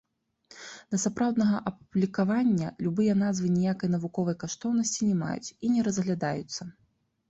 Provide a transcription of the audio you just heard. Да сапраўднага апублікавання любыя назвы ніякай навуковай каштоўнасці не маюць і не разглядаюцца.